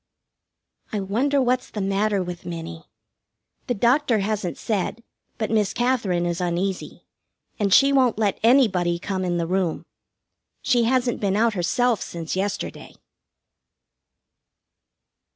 I wonder what's the matter with Minnie? The doctor hasn't said, but Miss Katherine is uneasy, and she won't let anybody come in the room. She hasn't been out herself since yesterday.